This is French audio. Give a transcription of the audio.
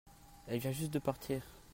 elle vient juste de partir.